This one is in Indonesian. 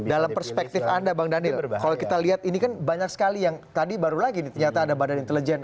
dalam perspektif anda bang daniel kalau kita lihat ini kan banyak sekali yang tadi baru lagi nih ternyata ada badan intelijen